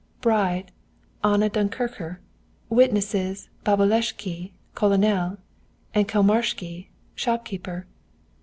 Bride: Anna Dunkircher. Witnesses: Babolescky, Colonel, and Kolmarscky, shopkeeper.